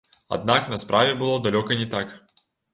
Аднак на справе было далёка не так.